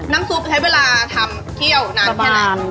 น้ำซุปทำเวลาเที่ยวนานแค่ไหน